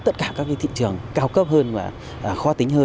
tất cả các cái thị trường cao cấp hơn và khó tính hơn